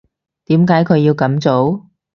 點解佢要噉做？